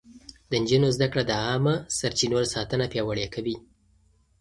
د نجونو زده کړه د عامه سرچينو ساتنه پياوړې کوي.